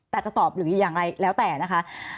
แต่จะตอบหรืออย่างไรแล้วแต่นะคะ